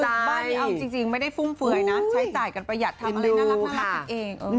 บ้านนี้เอาจริงไม่ได้ฟุ่มเฟื่อยนะใช้จ่ายกันประหยัดทำอะไรน่ารักกันเอง